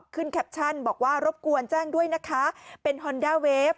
แคปชั่นบอกว่ารบกวนแจ้งด้วยนะคะเป็นฮอนด้าเวฟ